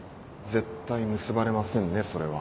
絶対結ばれませんねそれは。